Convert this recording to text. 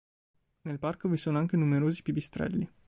Nel parco vi sono anche numerosi pipistrelli.